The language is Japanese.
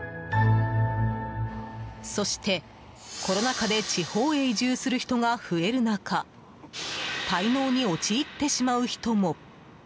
そして、コロナ禍で地方へ移住する人が増える中滞納に陥ってしまう人も。